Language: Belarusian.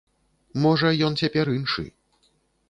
Можа, ён цяпер іншы.